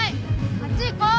あっち行こう！